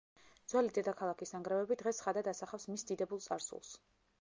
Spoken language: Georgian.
ძველი დედაქალაქის ნანგრევები დღეს ცხადად ასახავს მის დიდებულ წარსულს.